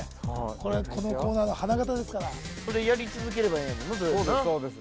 これこのコーナーの花形ですからこれやり続ければそうですそうです